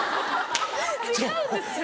違うんですよ！